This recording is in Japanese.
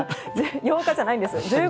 ８日じゃないんです１５